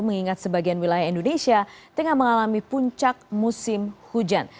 mengingat sebagian wilayah indonesia tengah mengalami puncak musim hujan